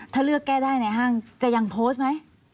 ถ้าเลือกแก้ได้ในห้างจะยังโพสต์ไหม